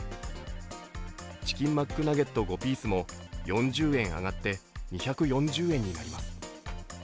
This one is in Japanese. チキンマックナゲット５ピースも４０円上がった２４０円になります。